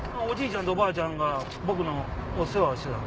ちゃんとおばあちゃんが僕のお世話をしてた。